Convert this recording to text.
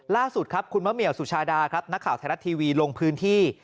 ล่าสุดครับคุณมะเหี่ยวสุชาดาครับนักข่าวไทยรัฐทีวีลงพื้นที่